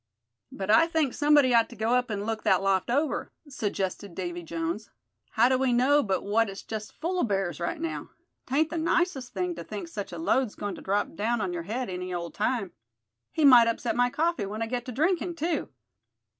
"But I think somebody ought to go up and look that loft over," suggested Davy Jones. "How do we know but what it's just full of bears right now. 'Tain't the nicest thing to think such a load's goin' to drop down on your head any old time. He might upset my coffee when I get to drinkin', too."